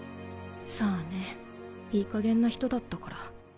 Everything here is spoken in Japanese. さぁねいいかげんな人だったから。